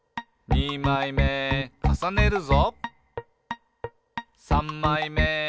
「さんまいめかさねたぞ！」